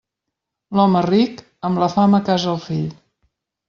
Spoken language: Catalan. L'home ric, amb la fama casa el fill.